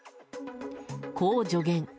こう助言。